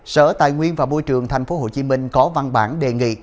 sở tài nguyên và môi trường tp hcm có văn bản đề nghị